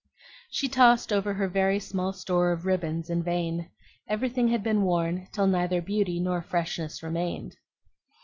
She tossed over her very small store of ribbons in vain; everything had been worn till neither beauty nor freshness remained.